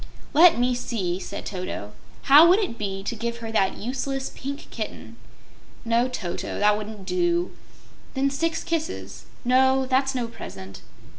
"Let me see," said Toto. "How would it be to give her that useless Pink Kitten?" "No, Toto; that wouldn't do." "Then six kisses." "No; that's no present."